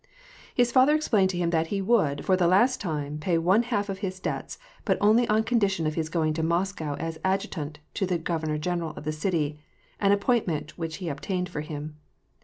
His father explained to him that he would, for the last time, pay one half of his debts, but only on condition of his going to Moscow as adjutant to the governor general of the city, an appointment which he obtained for him.